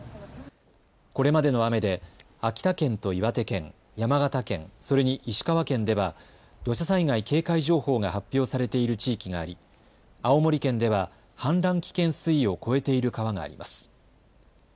これまでの雨で秋田県と岩手県、山形県、それに石川県では土砂災害警戒情報が発表されている地域があり青森県では氾濫危険水位を超えている川があります。